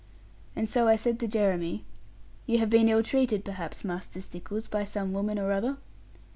And so I said to Jeremy, 'You have been ill treated, perhaps, Master Stickles, by some woman or other?'